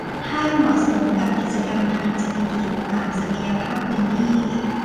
ให้เหมาะสมกับกิจกรรมทางเศรษฐกิจตามศักยภาพพื้นที่